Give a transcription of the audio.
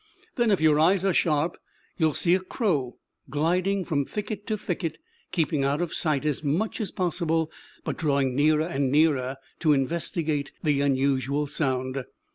Then, if your eyes are sharp, you will see a crow gliding from thicket to thicket, keeping out of sight as much as possible, but drawing nearer and nearer to investigate the unusual sound.